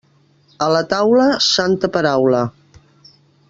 A la taula, santa paraula.